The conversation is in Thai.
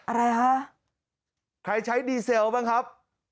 อะไรฮะใครใช้ดีเซลบ้างครับ